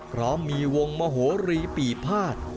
พร้อมมีวงมโหรีปีภาษ